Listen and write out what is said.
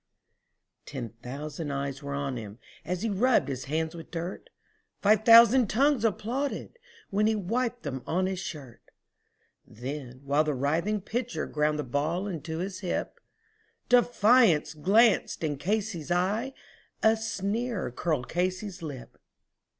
Ten thousand eyes were on him as he rubbed his hands with dirt, Five thousand tongues applauded as he wiped them on his shirt; And while the writhing pitcher ground the ball into his hip Defiance gleamed from Casey's eye a sneer curled Casey's lip.